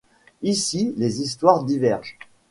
Ici, les histoires divergent.